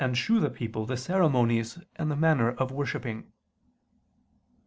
. shew the people the ceremonies and the manner of worshipping."